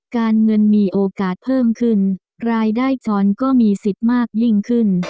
การเงินมีโอกาสเพิ่มขึ้นรายได้จรก็มีสิทธิ์มากยิ่งขึ้น